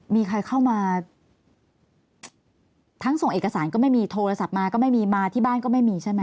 มีใครเข้ามาทั้งส่งเอกสารก็ไม่มีโทรศัพท์มาก็ไม่มีมาที่บ้านก็ไม่มีใช่ไหม